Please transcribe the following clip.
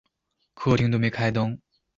客厅都没开灯